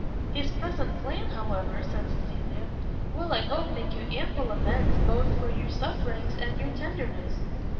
"His present plan, however," said Cecilia, "will I hope make you ample amends both for your sufferings and your tenderness."